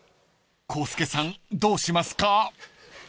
［浩介さんどうしますか？］